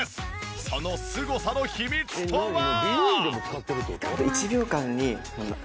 そのすごさの秘密とは。